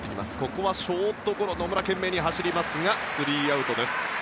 ここはショートゴロ野村、懸命に走りますが３アウトです。